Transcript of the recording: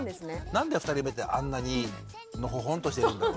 何で２人目ってあんなにのほほんとしてるんだろうね。